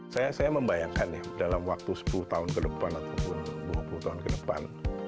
saya membayangkan ya dalam waktu sepuluh tahun ke depan ataupun dua puluh tahun ke depan